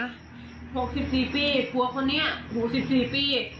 ๖๔ปีครัวเขาเนี่ย๖๔ปี